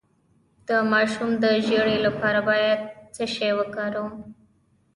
د ماشوم د ژیړي لپاره باید څه شی وکاروم؟